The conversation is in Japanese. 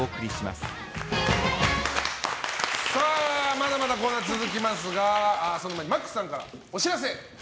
まだまだコーナー続きますがその前にＭＡＸさんからお知らせ。